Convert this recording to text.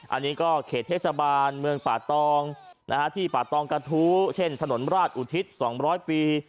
อันนี้ก็เขตเทศบาลเมืองป่าตองที่ป่าตองกระทู้เช่นถนนราชอุทิศ๒๐๐ปี